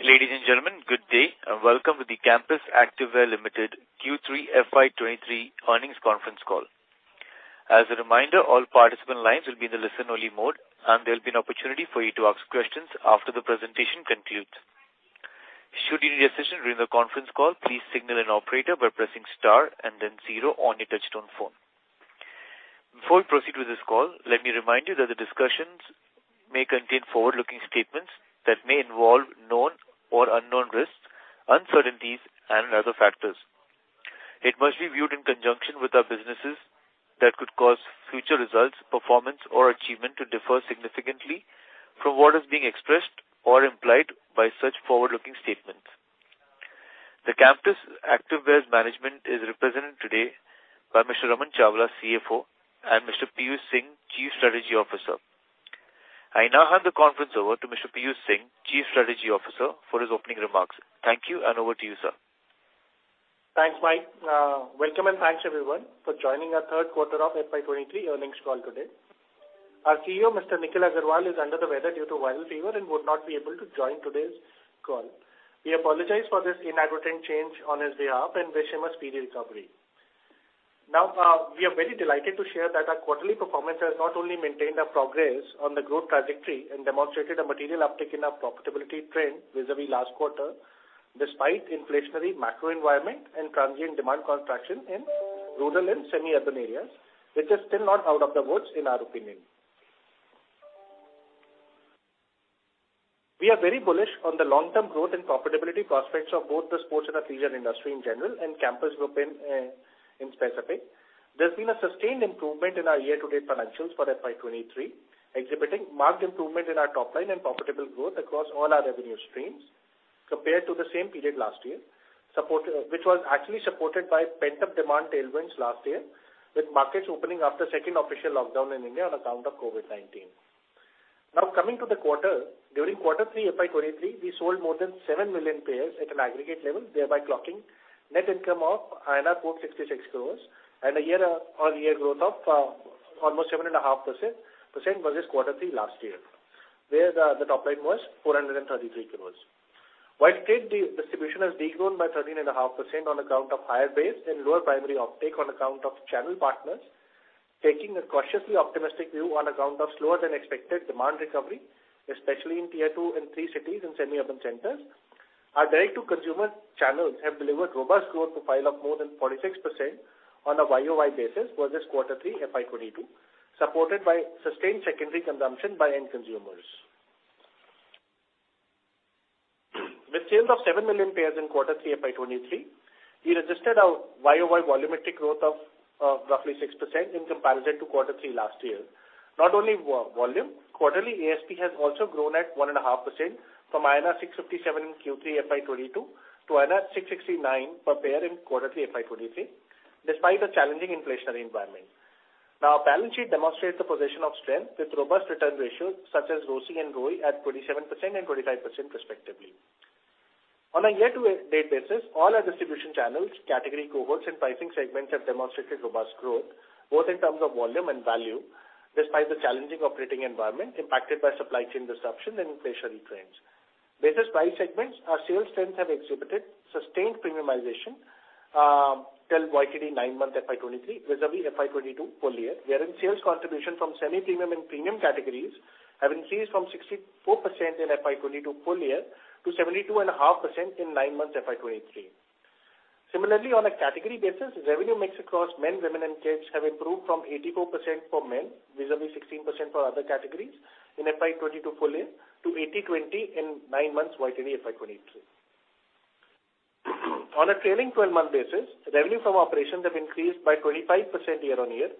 Ladies and gentlemen, good day, welcome to the Campus Activewear Limited Q3 FY23 earnings conference call. As a reminder, all participant lines will be in the listen-only mode, and there'll be an opportunity for you to ask questions after the presentation concludes. Should you need assistance during the conference call, please signal an operator by pressing star and then zero on your touchtone phone. Before we proceed with this call, let me remind you that the discussions may contain forward-looking statements that may involve known or unknown risks, uncertainties and other factors. It must be viewed in conjunction with our businesses that could cause future results, performance, or achievement to differ significantly from what is being expressed or implied by such forward-looking statements. The Campus Activewear's management is represented today by Mr. Raman Chawla, CFO, and Mr. Piyush Singh, Chief Strategy Officer. I now hand the conference over to Mr. Piyush Singh, Chief Strategy Officer, for his opening remarks. Thank you, and over to you, sir. Thanks, Mike. Welcome and thanks, everyone, for joining our Q3 of FY23 earnings call today. Our CEO, Mr. Nikhil Aggarwal, is under the weather due to viral fever and would not be able to join today's call. We apologize for this inadvertent change on his behalf and wish him a speedy recovery. Now, we are very delighted to share that our quarterly performance has not only maintained our progress on the growth trajectory and demonstrated a material uptick in our profitability trend vis-à-vis last quarter, despite inflationary macro environment and transient demand contraction in rural and semi-urban areas, which is still not out of the woods in our opinion. We are very bullish on the long-term growth and profitability prospects of both the sports and the leisure industry in general and Campus group in specific. There's been a sustained improvement in our year-to-date financials for FY23, exhibiting marked improvement in our top line and profitable growth across all our revenue streams compared to the same period last year, which was actually supported by pent-up demand tailwinds last year, with markets opening after second official lockdown in India on account of COVID-19. Now coming to the quarter. During Q3 FY23, we sold more than 7 million pairs at an aggregate level, thereby clocking net income of 4.66 crores and a year-on-year growth of almost 7.5% versus Q3 last year, where the top line was 433 crores. While trade distribution has de-grown by 13.5% on account of higher base and lower primary uptake on account of channel partners, taking a cautiously optimistic view on account of slower than expected demand recovery, especially in tier two and three cities and semi-urban centers. Our direct-to-consumer channels have delivered robust growth profile of more than 46% on a YOY basis versus Q3 FY22, supported by sustained secondary consumption by end consumers. With sales of 7 million pairs in Q3 FY23, we registered a YOY volumetric growth of roughly 6% in comparison to Q3 last year. Not only volume, quarterly ASP has also grown at 1.5% from INR 657 in Q3 FY22 to INR 669 per pair in quarterly FY23, despite a challenging inflationary environment. Our balance sheet demonstrates a position of strength with robust return ratios such as ROCE and ROE at 27% and 25% respectively. On a year-to-date basis, all our distribution channels, category cohorts and pricing segments have demonstrated robust growth, both in terms of volume and value, despite the challenging operating environment impacted by supply chain disruptions and inflationary trends. Business price segments, our sales trends have exhibited sustained premiumization till YTD 9 months FY23 vis-à-vis FY22 full year, wherein sales contribution from semi-premium and premium categories have increased from 64% in FY22 full year to 72.5% in 9 months FY23. Similarly, on a category basis, revenue mix across men, women and kids have improved from 84% for men vis-à-vis 16% for other categories in FY22 full year to 80/20 in 9 months YTD FY23. On a trailing 12-month basis, revenue from operations have increased by 25% year-on-year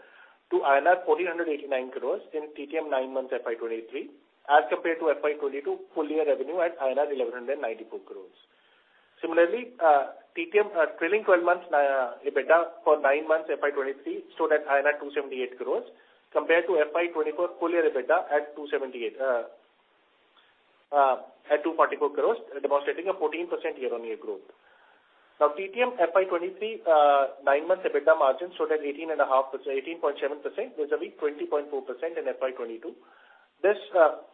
to INR 1,489 crores in TTM 9 months FY23 as compared to FY22 full year revenue at INR 1,194 crores. Similarly, TTM trailing 12 months EBITDA for 9 months FY23 stood at 278 crores compared to FY24 full year EBITDA at 244 crores, demonstrating a 14% year-on-year growth. TTM FY23, nine-month EBITDA margin stood at 18.5%, 18.7% vis-à-vis 20.4% in FY22. This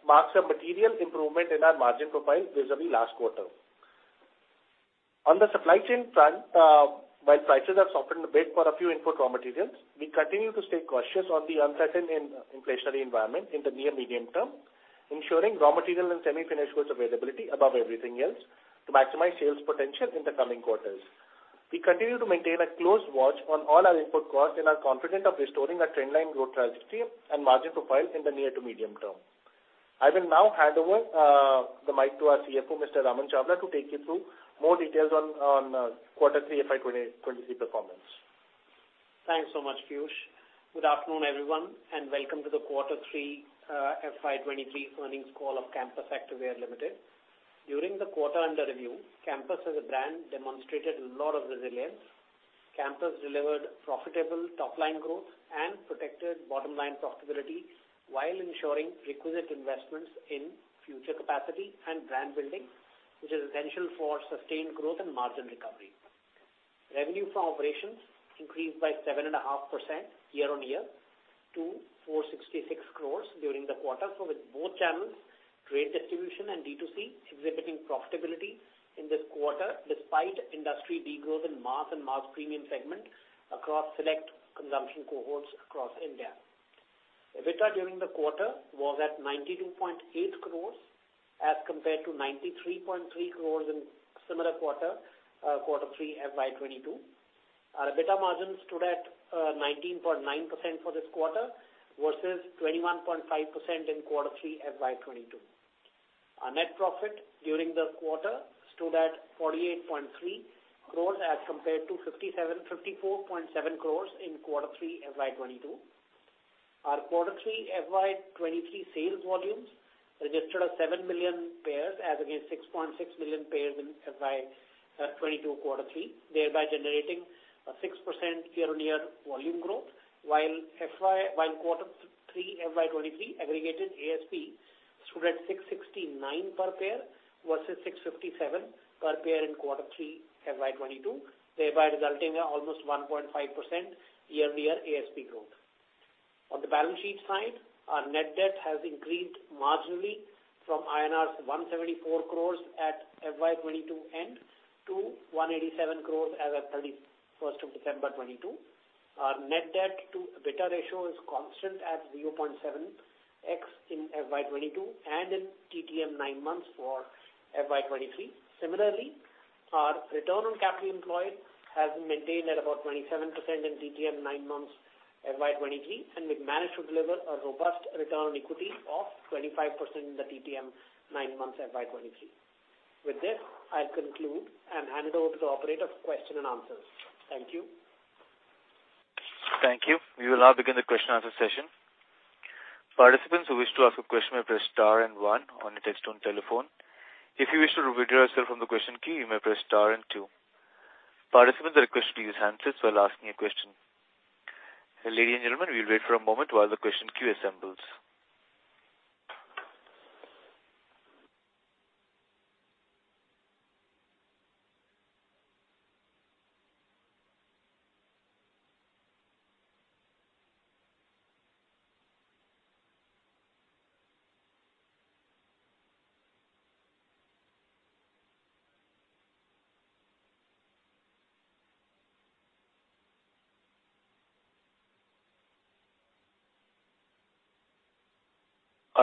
marks a material improvement in our margin profile vis-à-vis last quarter. On the supply chain front, while prices have softened a bit for a few input raw materials, we continue to stay cautious on the uncertain and inflationary environment in the near medium term, ensuring raw material and semi-finished goods availability above everything else to maximize sales potential in the coming quarters. We continue to maintain a close watch on all our input costs and are confident of restoring our trendline growth trajectory and margin profile in the near to medium term. I will now hand over the mic to our CFO, Mr. Raman Chawla, to take you through more details on Q3 FY23 performance. Thanks so much, Piyush. Good afternoon, everyone, and welcome to the quarter three FY23 earnings call of Campus Activewear Limited. During the quarter under review, Campus as a brand demonstrated a lot of resilience. Campus delivered profitable top line growth and protected bottom line profitability while ensuring requisite investments in future capacity and brand building, which is essential for sustained growth and margin recovery. Revenue from operations increased by 7.5% YOY to 466 crores during the quarter. With both channels, trade distribution and D2C exhibiting profitability in this quarter despite industry degrowth in mass and mass premium segment across select consumption cohorts across India. EBITDA during the quarter was at 92.8 crores as compared to 93.3 crores in similar quarter, Q3 FY22. Our EBITDA margin stood at 19.9% for this quarter versus 21.5% in Q3 FY22. Our net profit during the quarter stood at 48.3 crores as compared to 54.7 crores in Q3 FY22. Our quarter three FY 2023 sales volumes registered at 7 million pairs as against 6.6 million pairs in FY 2022 quarter three, thereby generating a 6% year-on-year volume growth, while quarter three FY 2023 aggregated ASP stood at 669 per pair versus 657 per pair in quarter three FY 2022, thereby resulting in almost 1.5% year-on-year ASP growth. On the balance sheet side, our net debt has increased marginally from INR 174 crores at FY 2022 end to 187 crores as at 31st of December 2022. Our net debt to EBITDA ratio is constant at 0.7x in FY 2022 and in TTM 9 months for FY 2023. Similarly, our return on capital employed has been maintained at about 27% in TTM 9 months FY23, and we've managed to deliver a robust return on equity of 25% in the TTM 9 months FY23. With this, I'll conclude and hand over to the operator for question and answers. Thank you. Thank you. We will now begin the question and answer session. Participants who wish to ask a question may press star and one on your touchtone telephone. If you wish to withdraw yourself from the question queue, you may press star and two. Participants are requested to use handsets while asking a question. Ladies and gentlemen, we'll wait for a moment while the question queue assembles.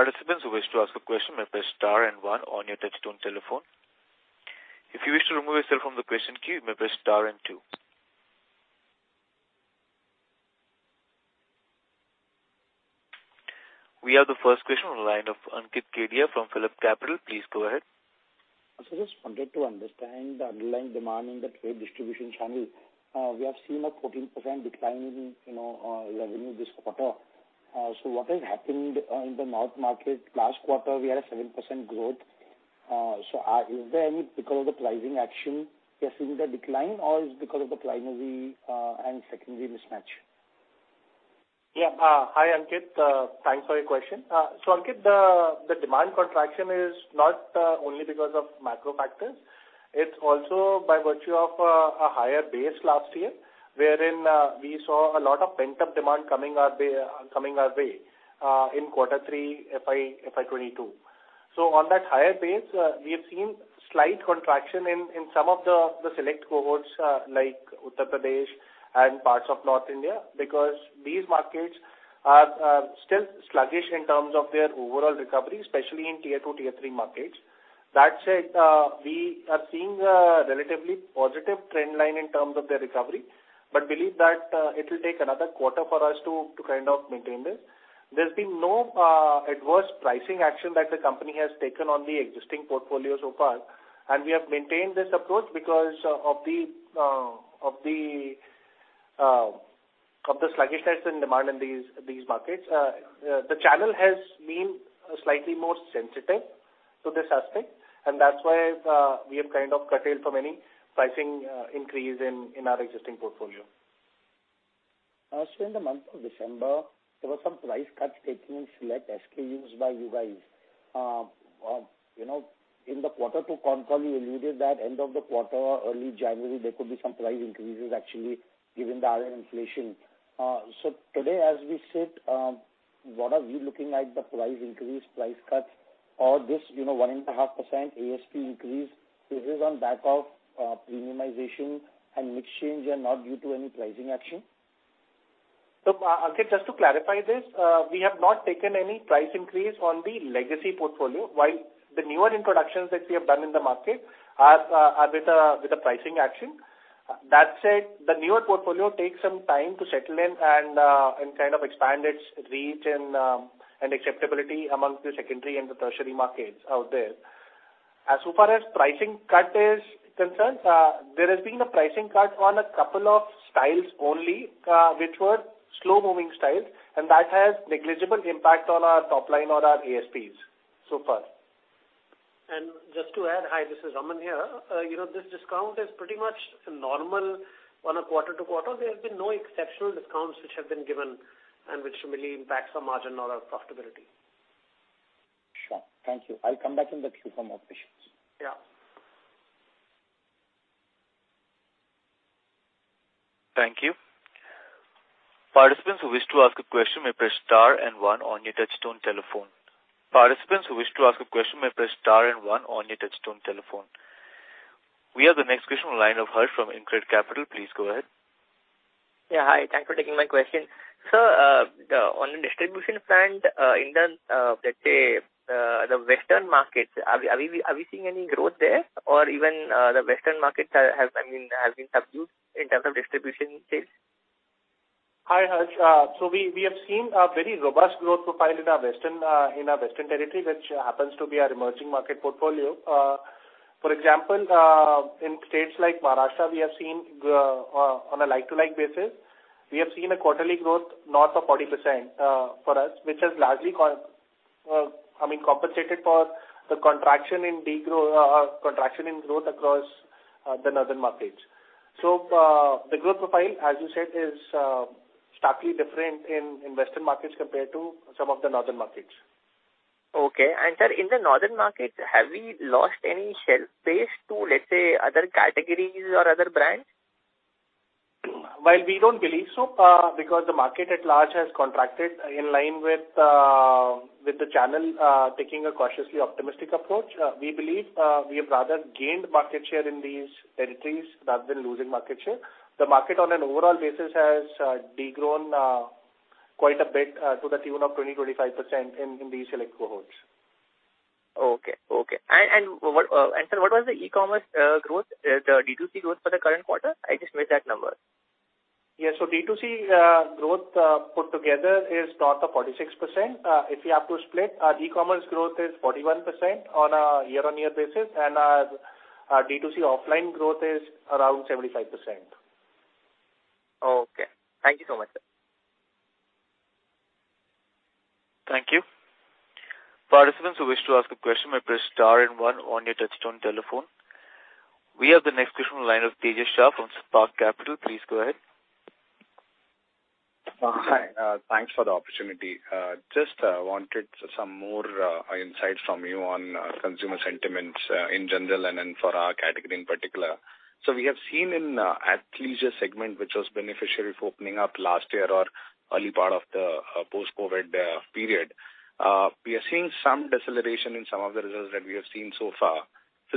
Participants who wish to ask a question may press star and one on your touchtone telephone. If you wish to remove yourself from the question queue, you may press star and two. We have the first question on the line of Ankit Kedia from PhillipCapital. Please go ahead. Just wanted to understand the underlying demand in the trade distribution channel. We have seen a 14% decline in, you know, revenue this quarter. What has happened in the north market last quarter, we had a 7% growth. Is there any because of the pricing action we are seeing the decline or is because of the primary and secondary mismatch? Yeah. Hi, Ankit. Thanks for your question. Ankit, the demand contraction is not only because of macro factors. It's also by virtue of a higher base last year, wherein we saw a lot of pent-up demand coming our way in quarter three FY22. On that higher base, we have seen slight contraction in some of the select cohorts, like Uttar Pradesh and parts of North India because these markets are still sluggish in terms of their overall recovery, especially in tier 2, tier 3 markets. That said, we are seeing a relatively positive trend line in terms of their recovery, but believe that it'll take another quarter for us to kind of maintain this. There's been no adverse pricing action that the company has taken on the existing portfolio so far. We have maintained this approach because of the sluggishness in demand in these markets. The channel has been slightly more sensitive to this aspect, that's why we have kind of curtailed from any pricing increase in our existing portfolio. In the month of December, there were some price cuts taken in select SKUs by you guys. You know, in the quarter-over-quarter, you alluded that end of the quarter or early January, there could be some price increases actually given the higher inflation. Today, as we sit, what are we looking at the price increase, price cuts or this, you know, 1.5% ASP increase? Is this on back of premiumization and mix change and not due to any pricing action? Ankit, just to clarify this, we have not taken any price increase on the legacy portfolio, while the newer introductions that we have done in the market are with a pricing action. That said, the newer portfolio takes some time to settle in and kind of expand its reach and acceptability amongst the secondary and the tertiary markets out there. As so far as pricing cut is concerned, there has been a pricing cut on a couple of styles only, which were slow-moving styles, and that has negligible impact on our top line or our ASPs so far. Just to add, hi, this is Raman here. You know, this discount is pretty much normal on a quarter-to-quarter. There has been no exceptional discounts which have been given and which really impacts our margin or our profitability. Sure. Thank you. I'll come back in the queue for more questions. Yeah. Thank you. Participants who wish to ask a question may press star and one on your touchtone telephone. We have the next question on the line of Harsh from InCred Capital. Please go ahead. Yeah. Hi. Thanks for taking my question. Sir, on the distribution front, in the, let's say, the Western markets, are we seeing any growth there? Even, the Western markets has, I mean, has been subdued in terms of distribution case? Hi, Harsh. We have seen a very robust growth profile in our Western, in our Western territory, which happens to be our emerging market portfolio. For example, in states like Maharashtra, we have seen, on a like-to-like basis, we have seen a quarterly growth north of 40%, for us, which has largely I mean, compensated for the contraction in growth across the Northern markets. The growth profile, as you said, is starkly different in Western markets compared to some of the Northern markets. Okay. Sir, in the Northern markets, have we lost any shelf space to, let's say, other categories or other brands? We don't believe so, because the market at large has contracted in line with the channel, taking a cautiously optimistic approach. We believe, we have rather gained market share in these territories rather than losing market share. The market on an overall basis has, degrown, quite a bit, to the tune of 20%, 25% in these select cohorts. Okay. Okay. What... And sir, what was the e-commerce growth, the D2C growth for the current quarter? I just missed that number. Yeah. D2C growth put together is north of 46%. If you have to split, our e-commerce growth is 41% on a year-on-year basis, and our D2C offline growth is around 75%. Okay. Thank you so much, sir. Thank you. Participants who wish to ask a question may press star and one on your touchtone telephone. We have the next question on the line of Tejas Shah from Spark Capital. Please go ahead. Hi. Thanks for the opportunity. Just wanted some more insight from you on consumer sentiments in general and then for our category in particular. We have seen in athleisure segment, which was beneficiary for opening up last year or early part of the post-COVID period. We are seeing some deceleration in some of the results that we have seen so far.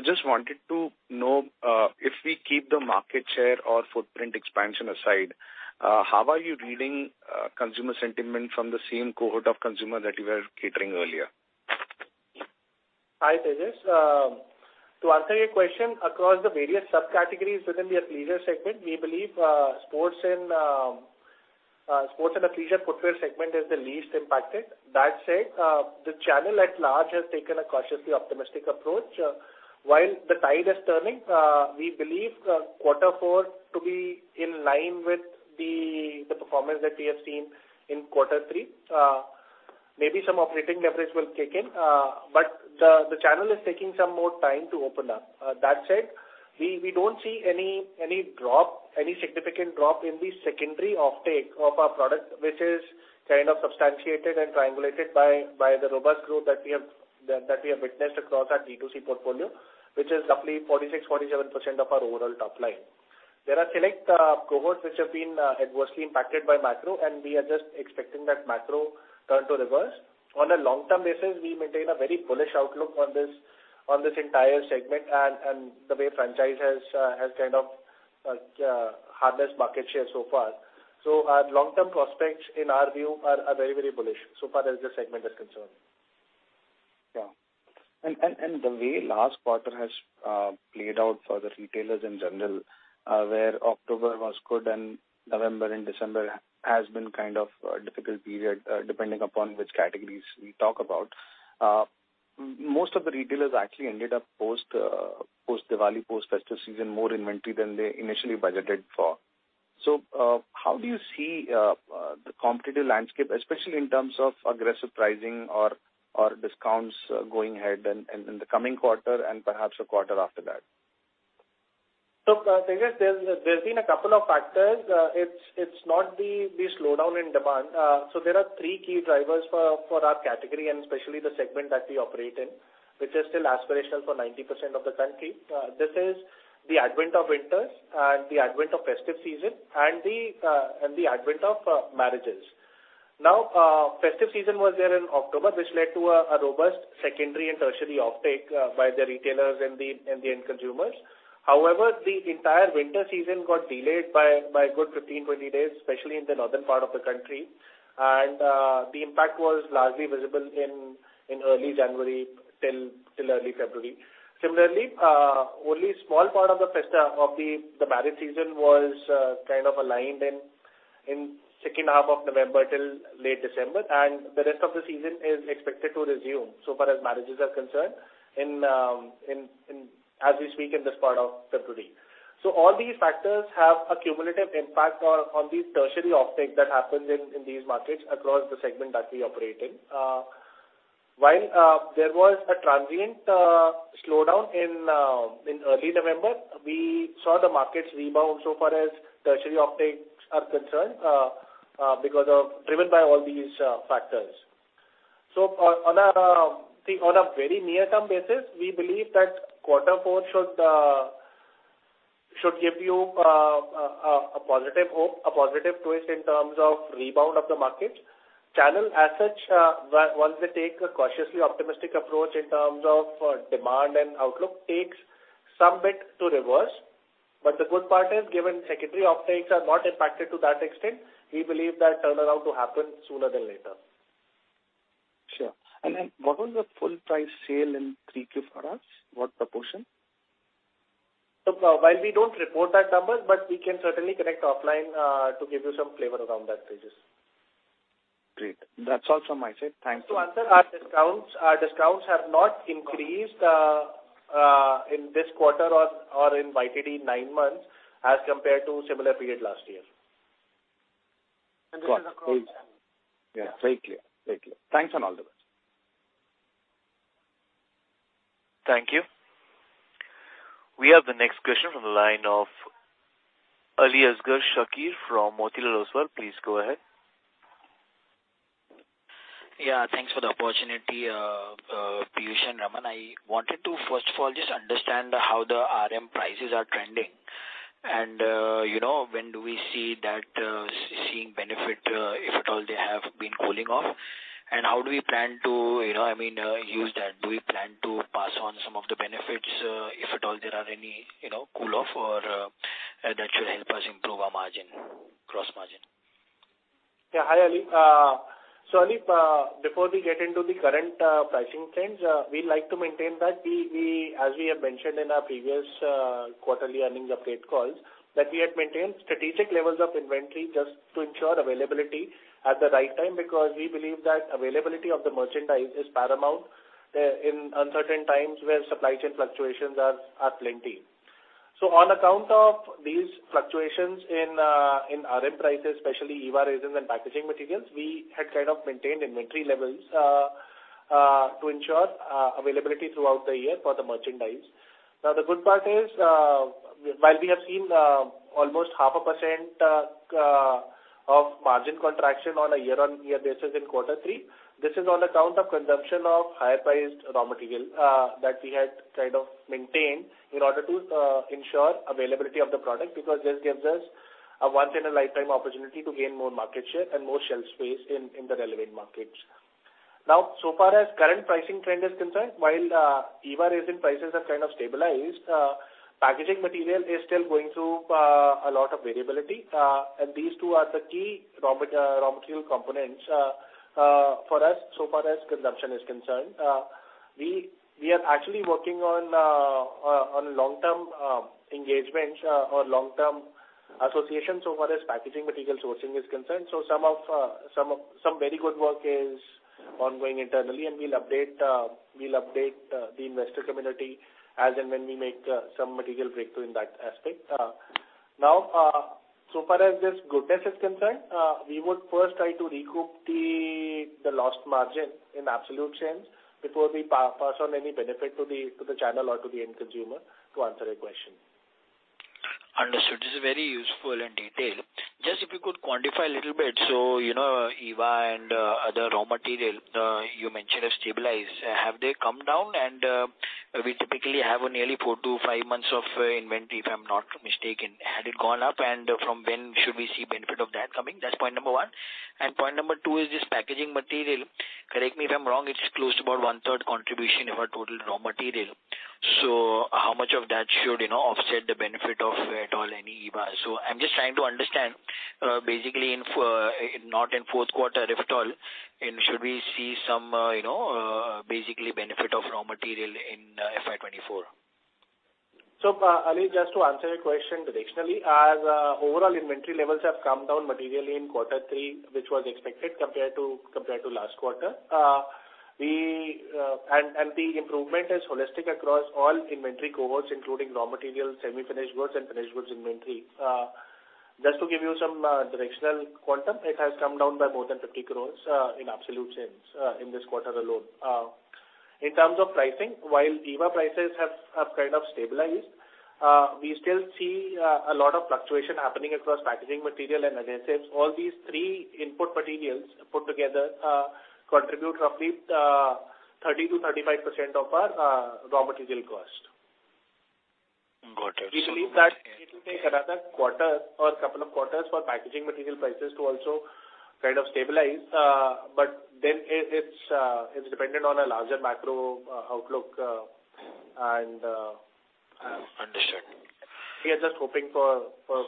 Just wanted to know, if we keep the market share or footprint expansion aside, how are you reading consumer sentiment from the same cohort of consumer that you were catering earlier? Hi, Tejas. To answer your question, across the various subcategories within the athleisure segment, we believe sports and athleisure footwear segment is the least impacted. That said, the channel at large has taken a cautiously optimistic approach. While the tide is turning, we believe quarter four to be in line with the performance that we have seen in quarter three. Maybe some operating leverage will kick in, the channel is taking some more time to open up. That said, we don't see any drop, any significant drop in the secondary offtake of our product, which is kind of substantiated and triangulated by the robust growth that we have witnessed across our D2C portfolio, which is roughly 46%-47% of our overall top line. There are select cohorts which have been adversely impacted by macro, and we are just expecting that macro turn to reverse. On a long-term basis, we maintain a very bullish outlook on this entire segment and the way franchise has kind of harnessed market share so far. Our long-term prospects in our view are very, very bullish so far as this segment is concerned. Yeah. And the way last quarter has played out for the retailers in general, where October was good and November and December has been kind of a difficult period, depending upon which categories we talk about. Most of the retailers actually ended up post Diwali, post festive season, more inventory than they initially budgeted for. How do you see the competitive landscape, especially in terms of aggressive pricing or discounts going ahead in the coming quarter and perhaps a quarter after that? Look, Tejas, there's been a couple of factors. It's not the slowdown in demand. There are three key drivers for our category and especially the segment that we operate in, which is still aspirational for 90% of the country. This is the advent of winters and the advent of festive season and the advent of marriages. Festive season was there in October, which led to a robust secondary and tertiary offtake by the retailers and the end consumers. However, the entire winter season got delayed by a good 15-20 days, especially in the northern part of the country. The impact was largely visible in early January till early February. Similarly, only a small part of the marriage season was kind of aligned in second half of November till late December. The rest of the season is expected to resume so far as marriages are concerned in as we speak in this part of February. All these factors have a cumulative impact on the tertiary offtake that happens in these markets across the segment that we operate in. While there was a transient slowdown in early November, we saw the markets rebound so far as tertiary offtakes are concerned. Because of driven by all these factors. On a very near-term basis, we believe that quarter four should give you a positive hope, a positive twist in terms of rebound of the market. Channel as such, one will take a cautiously optimistic approach in terms of demand and outlook takes some bit to reverse. The good part is, given secondary offtakes are not impacted to that extent, we believe that turnaround to happen sooner than later. Sure. Then what was the full price sale in 3Q for us? What proportion? While we don't report that number, but we can certainly connect offline, to give you some flavor around that, Tejas. Great. That's all from my side. Thanks. To answer our discounts, our discounts have not increased in this quarter or in YTD nine months as compared to similar period last year. Got it. this is Yeah, very clear. Very clear. Thanks and all the best. Thank you. We have the next question from the line of Aliasgar Shakir from Motilal Oswal. Please go ahead. Yeah, thanks for the opportunity, Piyush and Raman. I wanted to first of all just understand how the RM prices are trending. You know, when do we see that seeing benefit, if at all they have been cooling off? How do we plan to, you know, I mean, use that? Do we plan to pass on some of the benefits, if at all there are any, you know, cool off or that should help us improve our margin, cross margin? Yeah. Hi, Ali. Ali, before we get into the current pricing trends, we like to maintain that we, as we have mentioned in our previous quarterly earnings update calls, that we had maintained strategic levels of inventory just to ensure availability at the right time, because we believe that availability of the merchandise is paramount in uncertain times where supply chain fluctuations are plenty. On account of these fluctuations in RM prices, especially EVA resins and packaging materials, we had kind of maintained inventory levels to ensure availability throughout the year for the merchandise. The good part is, while we have seen almost 0.5% of margin contraction on a year-on-year basis in Q3, this is on account of consumption of higher priced raw material, that we had kind of maintained in order to ensure availability of the product, because this gives us a once in a lifetime opportunity to gain more market share and more shelf space in the relevant markets. So far as current pricing trend is concerned, while EVA resin prices are kind of stabilized, packaging material is still going through a lot of variability. These two are the key raw material components for us so far as consumption is concerned. We are actually working on long-term engagements or long-term associations so far as packaging material sourcing is concerned. Some of some very good work is ongoing internally, and we'll update the investor community as and when we make some material breakthrough in that aspect. So far as this goodness is concerned, we would first try to recoup the lost margin in absolute sense before we pass on any benefit to the channel or to the end consumer to answer your question. Understood. This is very useful and detailed. Just if you could quantify a little bit, you know, EVA and other raw material you mentioned is stabilized. Have they come down? We typically have a nearly four to five months of inventory, if I'm not mistaken. Had it gone up? From when should we see benefit of that coming? That's point number one. Point number two is this packaging material. Correct me if I'm wrong, it's close to about one-third contribution of our total raw material. How much of that should, you know, offset the benefit of at all any EVA? I'm just trying to understand, basically not in Q4 if at all, and should we see some, you know, basically benefit of raw material in FY24? Ali, just to answer your question directionally, as overall inventory levels have come down materially in quarter three, which was expected compared to last quarter. The improvement is holistic across all inventory cohorts, including raw materials, semi-finished goods and finished goods inventory. Just to give you some directional quantum, it has come down by more than 50 crores in absolute sense in this quarter alone. In terms of pricing, while EVA prices have kind of stabilized, we still see a lot of fluctuation happening across packaging material and adhesives. All these three input materials put together contribute roughly 30%-35% of our raw material cost. Got it. We believe that it will take another quarter or couple of quarters for packaging material prices to also kind of stabilize. It's dependent on a larger macro outlook and Understood. We are just hoping for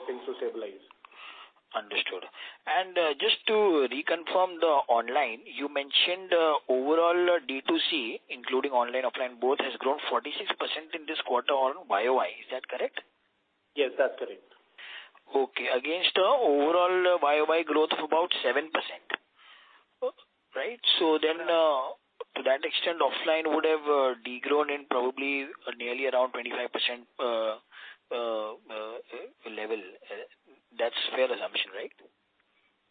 things to stabilize. Understood. just to reconfirm the online, you mentioned, overall D2C, including online, offline, both has grown 46% in this quarter on YOY, is that correct? Yes, that's correct. Okay. Against overall YOY growth of about 7%. Right? To that extent, offline would have degrown in probably nearly around 25% level. That's fair assumption, right?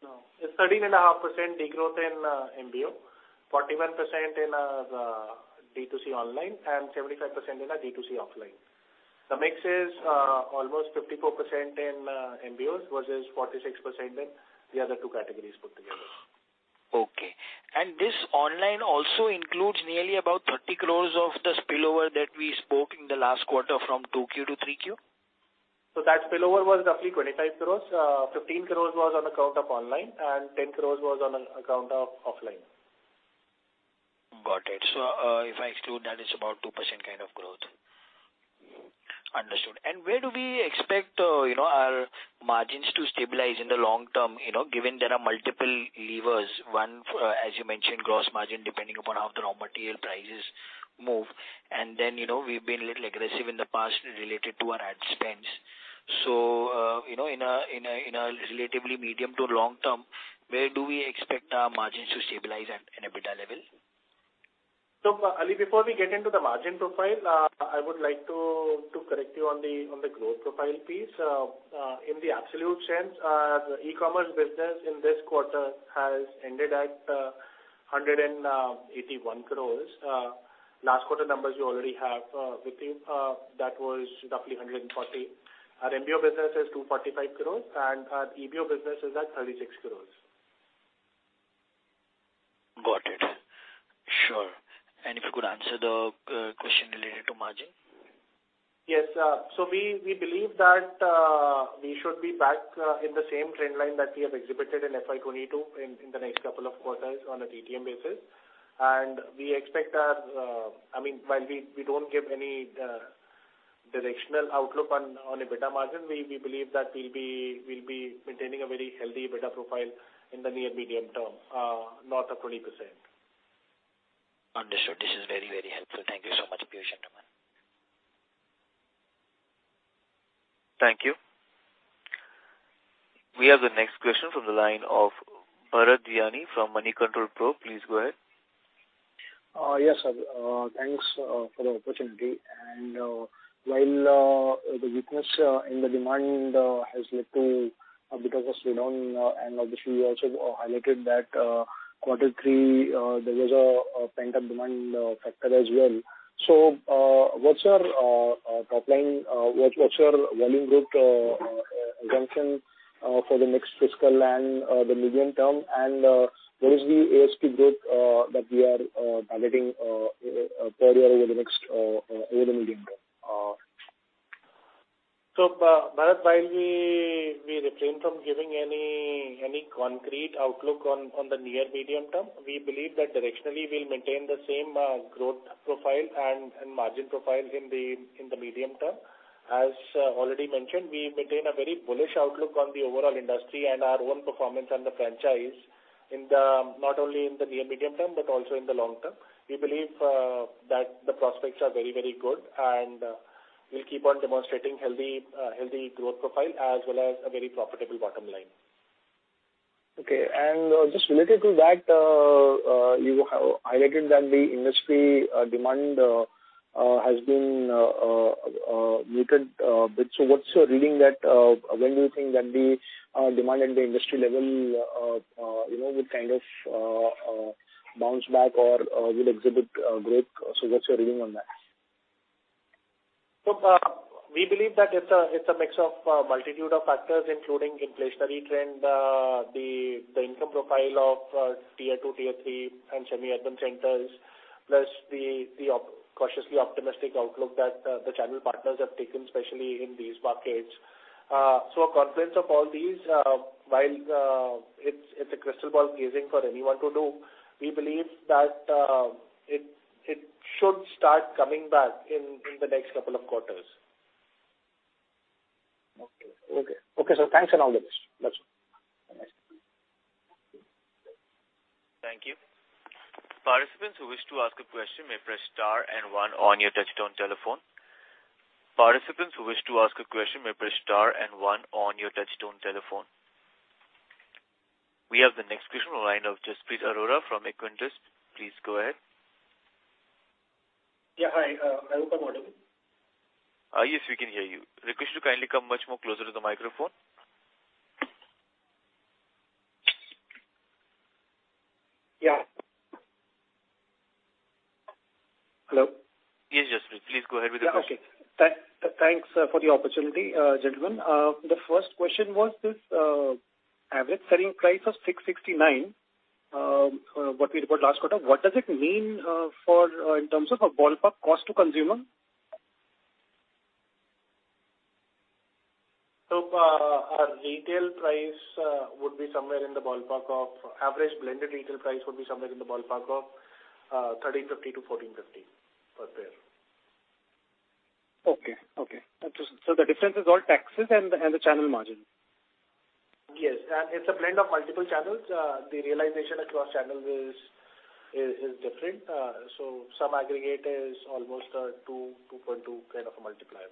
No. It's 13 and a half % degrowth in MBO, 41% in the D2C online, and 75% in our D2C offline. The mix is almost 54% in MBOs versus 46% in the other two categories put together. Okay. This online also includes nearly about 30 crores of the spillover that we spoke in the last quarter from 2Q to 3Q? That spillover was roughly 25 crores. 15 crores was on account of online, and 10 crores was on account of offline. Got it. If I exclude that, it's about 2% kind of growth. Mm-hmm. Understood. Where do we expect, you know, our margins to stabilize in the long term, you know, given there are multiple levers, one, as you mentioned, gross margin, depending upon how the raw material prices move, you know, we've been a little aggressive in the past related to our ad spends. You know, in a relatively medium to long term, where do we expect our margins to stabilize at an EBITDA level? Ali, before we get into the margin profile, I would like to correct you on the growth profile piece. In the absolute sense, the e-commerce business in this quarter has ended at 181 crores. Last quarter numbers you already have with you. That was roughly 140 crores. Our MBO business is 245 crores and our EBO business is at 36 crores. Got it. Sure. If you could answer the question related to margin. Yes. We believe that we should be back in the same trend line that we have exhibited in FY22 in the next couple of quarters on a TTM basis. We expect our, I mean, while we don't give any directional outlook on EBITDA margin, we believe that we'll be maintaining a very healthy EBITDA profile in the near medium term, north of 20%. Understood. This is very, very helpful. Thank you so much, Piyush and Aman. Thank you. We have the next question from the line of Bharat Diyani from MoneyControl Pro. Please go ahead. Yes, sir. Thanks for the opportunity. While the weakness in the demand has led to because of slowdown, and obviously you also highlighted that quarter three there was a pent-up demand factor as well. What's your top line, what's your volume growth assumption for the next fiscal and the medium term? What is the ASP growth that we are targeting per year over the next over the medium term? Bharat, while we refrain from giving any concrete outlook on the near medium term, we believe that directionally we'll maintain the same growth profile and margin profile in the medium term. As already mentioned, we maintain a very bullish outlook on the overall industry and our own performance and the franchise in the not only in the near medium term, but also in the long term. We believe that the prospects are very good and we'll keep on demonstrating healthy healthy growth profile as well as a very profitable bottom line. Okay. Just related to that, you have highlighted that the industry demand has been muted bit. What's your reading that, when do you think that the demand at the industry level, you know, will kind of bounce back or will exhibit growth? What's your reading on that? We believe that it's a mix of a multitude of factors, including inflationary trend, the income profile of tier 2, tier 3 and semi-urban centers, plus the cautiously optimistic outlook that the channel partners have taken, especially in these markets. A confluence of all these, while it's a crystal ball gazing for anyone to do, we believe that it should start coming back in the next couple of quarters. Okay. Okay. Okay, thanks and all the best. That's all. Thank you. Participants who wish to ask a question may press star and one on your touchtone telephone. We have the next question on line of Jaspreet Arora from Equirus. Please go ahead. Yeah, hi. I hope I'm audible. Yes, we can hear you. Request you to kindly come much more closer to the microphone. Yeah. Hello? Yes, Jaspreet. Please go ahead with your question. Okay. Thanks for the opportunity, gentlemen. The first question was this, average selling price of 669, what we report last quarter, what does it mean for in terms of a ballpark cost to consumer? Average blended retail price would be somewhere in the ballpark of, 1,350-1,450 per pair. Okay. Okay. The difference is all taxes and the channel margin. Yes. It's a blend of multiple channels. The realization across channels is different. Some aggregate is almost, 2.2 kind of a multiplier.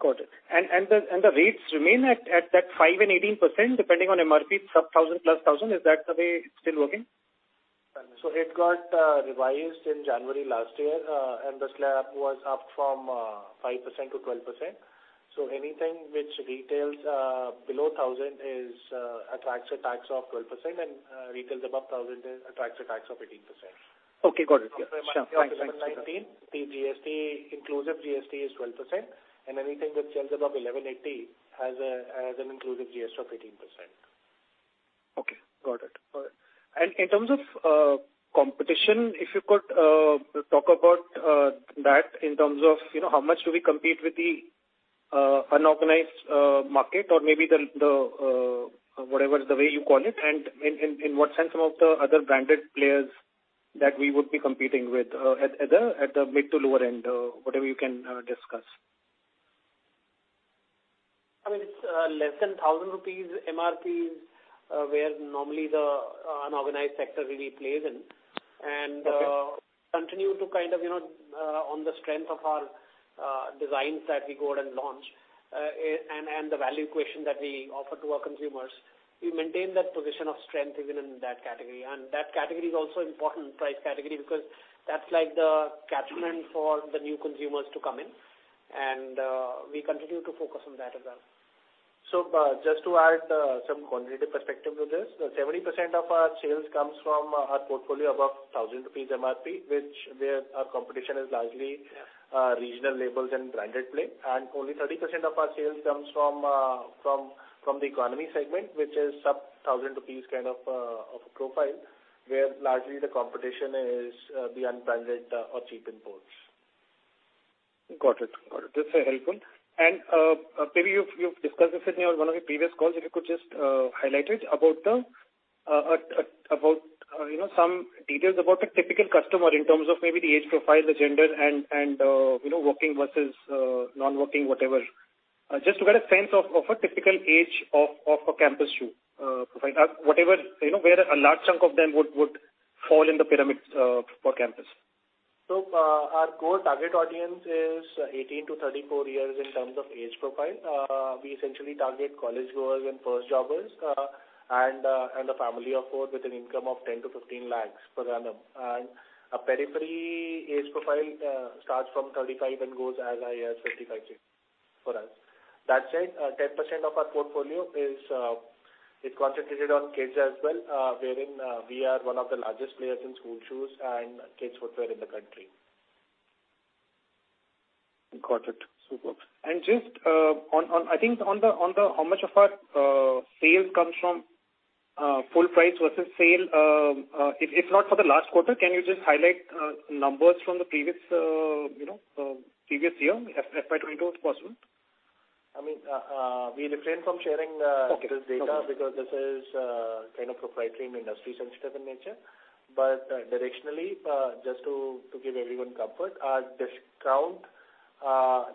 Got it. The rates remain at that 5% and 18% depending on MRP sub 1,000, plus 1,000? Is that the way it's still working? It got revised in January last year, and the slab was up from 5% to 12%. Anything which retails below 1,000 is, attracts a tax of 12%, and retails above 1,000 is, attracts a tax of 18%. Okay, got it. Yeah. Sure. Thanks. From the month of September 2019, the GST, inclusive GST is 12%. Anything which sells above 1,180 has an inclusive GST of 18%. Okay, got it. All right. In terms of competition, if you could talk about that in terms of, you know, how much do we compete with the unorganized market or maybe the whatever is the way you call it, and in what sense some of the other branded players that we would be competing with at the mid to lower end, whatever you can discuss? I mean, it's less than 1,000 rupees MRPs, where normally the unorganized sector really plays in. Okay. continue to kind of, you know, on the strength of our designs that we go out and launch, and the value equation that we offer to our consumers, we maintain that position of strength even in that category. That category is also important price category because that's like the catchment for the new consumers to come in, and we continue to focus on that as well. Just to add some quantitative perspective to this. 70% of our sales comes from our portfolio above 1,000 rupees MRP, which where our competition is largely regional labels and branded play. Only 30% of our sales comes from the economy segment, which is sub 1,000 rupees kind of a profile, where largely the competition is the unbranded or cheap imports. Got it. Got it. That's helpful. Maybe you've discussed this, uncertain, on one of your previous calls, if you could just highlight it about the, about, you know, some details about the typical customer in terms of maybe the age profile, the gender and, you know, working versus non-working, whatever. Just to get a sense of a typical age of a Campus shoe profile. Whatever, you know, where a large chunk of them would fall in the pyramid for Campus. Our core target audience is 18 to 34 years in terms of age profile. We essentially target college goers and first jobbers, and a family of 4 with an income of 10 lakhs-15 lakhs per annum. Our periphery age profile starts from 35 and goes as high as 55, 60 for us. That said, 10% of our portfolio is concentrated on kids as well, wherein we are one of the largest players in school shoes and kids footwear in the country. Got it. Superb. Just, I think on how much of our sales comes from full price versus sale, if not for the last quarter, can you just highlight numbers from the previous year, FY22, if possible? I mean, we refrain from sharing. Okay. detailed data because this is, kind of proprietary and industry sensitive in nature. Directionally, just to give everyone comfort, our discount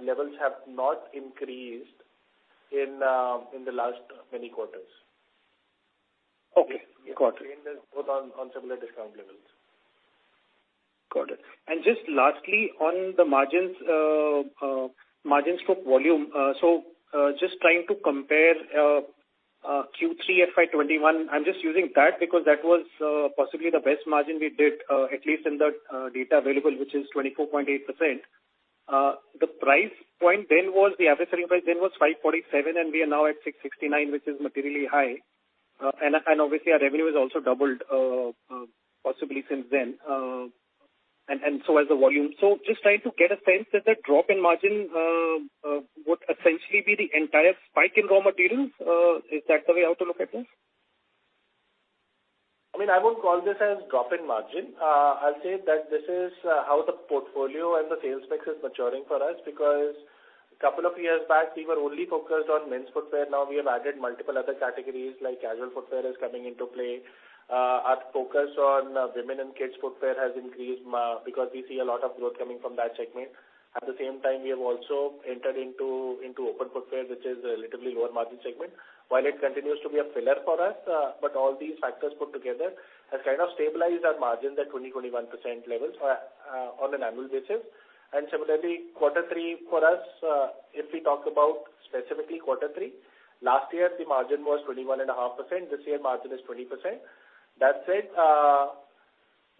levels have not increased in the last many quarters. Okay. Got it. We have remained, both on similar discount levels. Got it. Just lastly, on the margins for volume. just trying to compare Q3 FY21. I'm just using that because that was possibly the best margin we did, at least in the data available, which is 24.8%. The price point then was the average selling price then was 547, and we are now at 669, which is materially high. obviously our revenue has also doubled, possibly since then. Has the volume. Just trying to get a sense that the drop in margin would essentially be the entire spike in raw materials. Is that the way how to look at this? I mean, I won't call this as drop in margin. I'll say that this is how the portfolio and the sales mix is maturing for us because a couple of years back, we were only focused on men's footwear. Now, we have added multiple other categories like casual footwear is coming into play. Our focus on women and kids footwear has increased because we see a lot of growth coming from that segment. At the same time, we have also entered into open footwear, which is a relatively lower margin segment, while it continues to be a filler for us. All these factors put together has kind of stabilized our margins at 20%-21% levels on an annual basis. Similarly, quarter three for us, if we talk about specifically quarter three, last year, the margin was 21.5%. This year, margin is 20%. That said,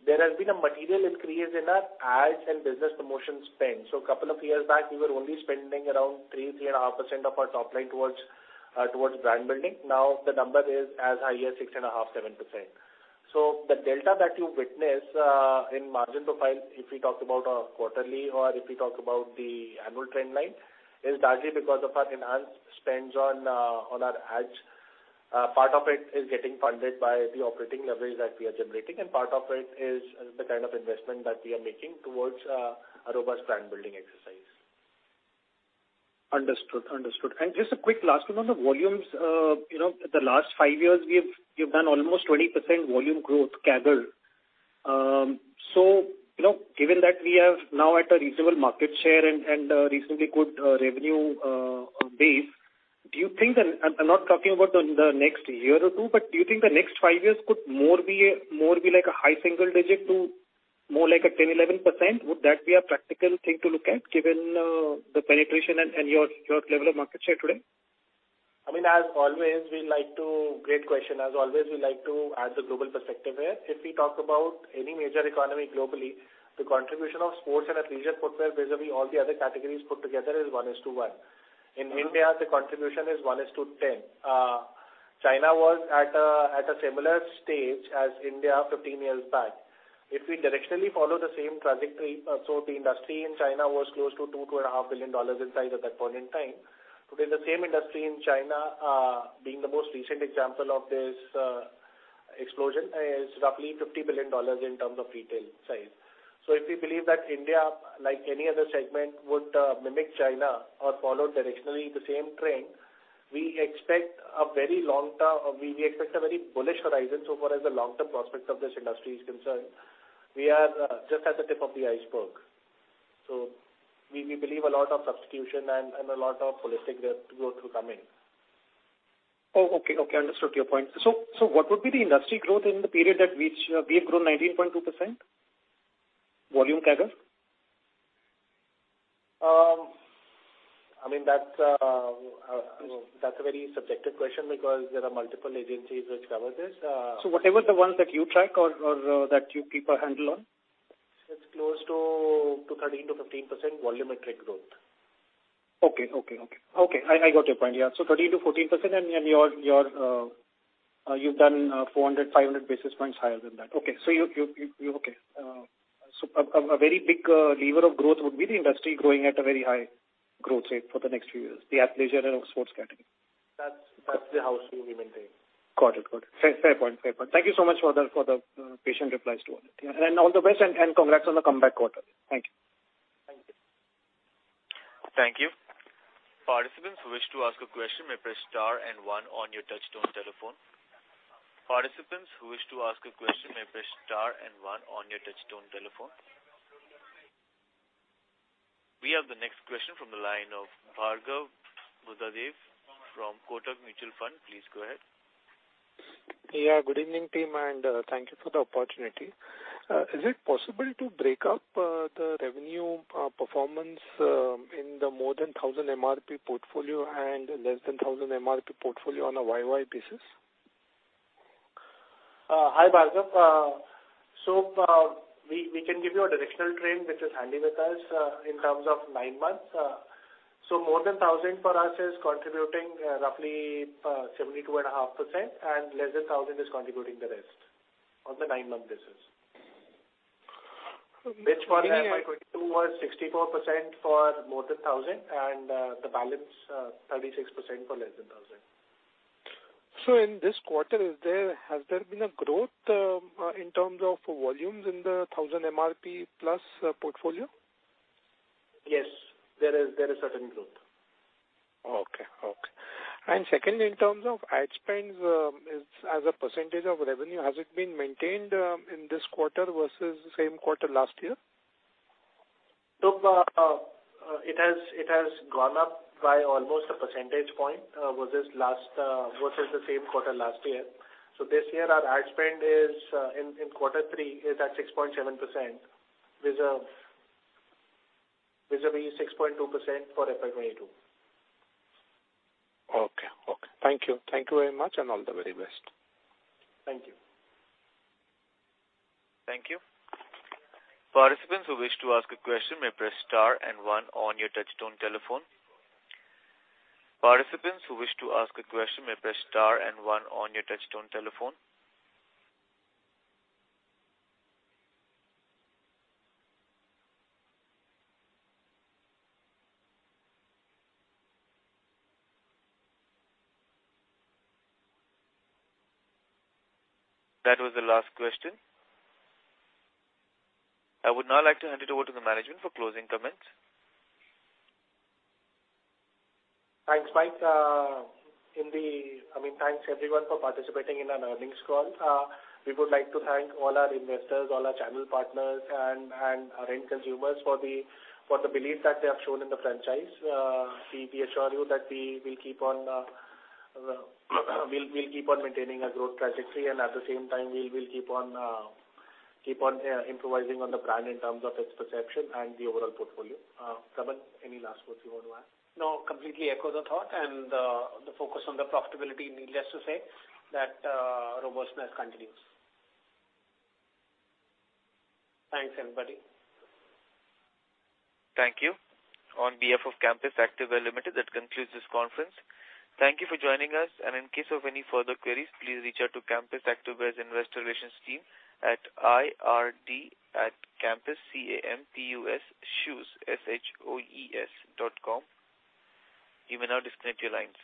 there has been a material increase in our ads and business promotion spend. A couple of years back, we were only spending around 3.5% of our top line towards brand building. Now, the number is as high as 6.5, 7%. The delta that you witness in margin profile, if we talk about quarterly or if we talk about the annual trend line, is largely because of our enhanced spends on our ads. Part of it is getting funded by the operating leverage that we are generating, and part of it is the kind of investment that we are making towards a robust brand building exercise. Understood. Understood. Just a quick last one on the volumes. You know, the last 5 years we've done almost 20% volume growth CAGR. You know, given that we have now at a reasonable market share and a reasonably good revenue base, do you think I'm not talking about the next year or two, but do you think the next 5 years could more be like a high single digit to more like a 10%-11%? Would that be a practical thing to look at given the penetration and your level of market share today? I mean, Great question. As always, we like to add the global perspective here. If we talk about any major economy globally, the contribution of sports and athleisure footwear vis-a-vis all the other categories put together is one is to one. In India, the contribution is one is to ten. China was at a similar stage as India 15 years back. If we directionally follow the same trajectory, so the industry in China was close to $2.5 billion in size at that point in time. Today, the same industry in China, being the most recent example of this explosion, is roughly $50 billion in terms of retail size. If we believe that India, like any other segment, would mimic China or follow directionally the same trend, we expect a very bullish horizon so far as the long-term prospects of this industry is concerned. We are just at the tip of the iceberg. We believe a lot of substitution and a lot of holistic growth will come in. Oh, okay. Okay. Understood your point. What would be the industry growth in the period at which we have grown 19.2% volume CAGR? I mean, that's a very subjective question because there are multiple agencies which cover this. Whatever the ones that you track or, that you keep a handle on. It's close to 13% to 15% volumetric growth. Okay. Okay. Okay. Okay. I got your point. Yeah. Thirteen to 14% and your, you've done 400-500 basis points higher than that. Okay. You, you okay. A very big lever of growth would be the industry growing at a very high growth rate for the next few years, the athleisure and sports category. That's the house view we maintain. Got it. Got it. Fair, fair point. Fair point. Thank you so much for the, for the patient replies to all. All the best and congrats on the comeback quarter. Thank you. Thank you. Thank you. Participants who wish to ask a question may press star and one on your touchtone telephone. Participants who wish to ask a question may press star and one on your touchtone telephone. We have the next question from the line of Bhargav Buddhadev from Kotak Mutual Fund. Please go ahead. Yeah, good evening team, and thank you for the opportunity. Is it possible to break up the revenue performance in the more than 1,000 MRP portfolio and less than 1,000 MRP portfolio on a YOY basis? Hi, Bhargav Buddhadev. We can give you a directional trend which is handy with us in terms of nine months. More than 1,000 for us is contributing 72.5%, and less than 1,000 is contributing the rest on the nine-month basis. Which for FY22 was 64% for more than 1,000 and the balance 36% for less than 1,000. In this quarter, has there been a growth in terms of volumes in the 1,000 MRP plus portfolio? Yes, there is certain growth. Okay. Okay. Second, in terms of ad spends, as a % of revenue, has it been maintained, in this quarter versus the same quarter last year? Look, it has gone up by almost a percentage point versus last versus the same quarter last year. This year our ad spend is in quarter three is at 6.7% vis-a-vis 6.2% for FY22. Okay. Okay. Thank you. Thank you very much, and all the very best. Thank you. Thank you. Participants who wish to ask a question may press star and one on your touchtone telephone. That was the last question. I would now like to hand it over to the management for closing comments. Thanks, Mike. I mean, thanks everyone for participating in our earnings call. We would like to thank all our investors, all our channel partners and our end consumers for the belief that they have shown in the franchise. We assure you that we will keep on maintaining our growth trajectory, and at the same time, we will keep on improvising on the brand in terms of its perception and the overall portfolio. Raman, any last words you want to add? No, completely echo the thought and, the focus on the profitability, needless to say, that, robustness continues. Thanks, everybody. Thank you. On behalf of Campus Activewear Limited, that concludes this conference. Thank you for joining us, and in case of any further queries, please reach out to Campus Activewear's Investor Relations team at ird@Campus C-A-M-P-U-S shoes S-H-O-E-S dot com. You may now disconnect your lines.